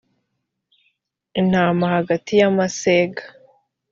mt intama hagati y amasega